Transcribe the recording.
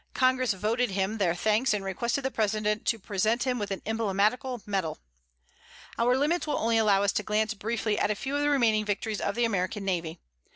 Congress voted him their thanks, and requested the President to present him with an emblematical medal. Our limits will only allow us to glance briefly at a few of the remaining victories of the American navy.